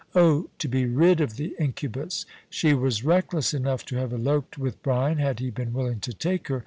Oh to be rid of the incubus ! She was reckless enough to have eloped with Brian had he been willing to take her.